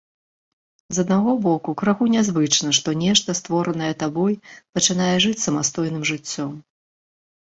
З аднаго боку, крыху нязвычна, што нешта, створанае табой, пачынае жыць самастойным жыццём.